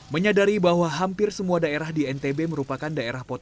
menyadari bahwa hampir semua daerah di ntb merupakan daerah potensi